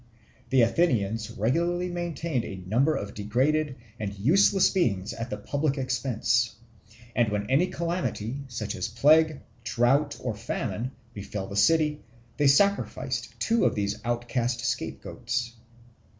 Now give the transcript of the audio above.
The Athenians regularly maintained a number of degraded and useless beings at the public expense; and when any calamity, such as plague, drought, or famine, befell the city, they sacrificed two of these outcast scapegoats.